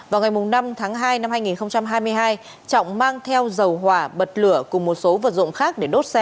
vào ngày năm tháng hai năm hai nghìn hai mươi hai trọng mang theo dầu hỏa bật lửa cùng một số vật dụng khác